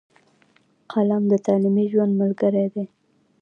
قلم د تعلیمي ژوند ملګری دی.